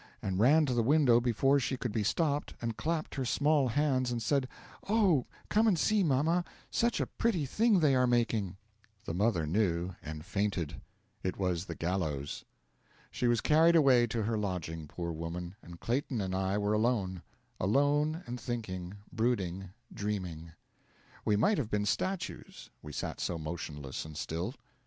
and ran to the window before she could be stopped and clapped her small hands and said, 'Oh, come and see, mamma such a pretty thing they are making!' The mother knew and fainted. It was the gallows! She was carried away to her lodging, poor woman, and Clayton and I were alone alone, and thinking, brooding, dreaming. We might have been statues, we sat so motionless and still.